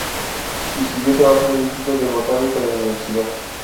Y siguió trabajando en el Instituto de Botánica de la Universidad.